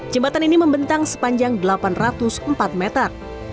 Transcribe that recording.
jembatan ini membentang sepanjang delapan ratus empat meter